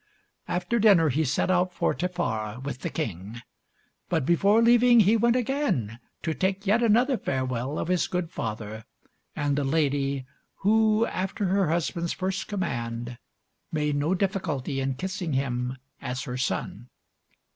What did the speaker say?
After dinner, he set out for Taffares with the King; but before leaving he went again to take yet another farewell of his good father and the lady who, after her husband's first command, made no difficulty in kissing him as her son.